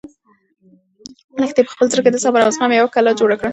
لښتې په خپل زړه کې د صبر او زغم یوه کلا جوړه کړه.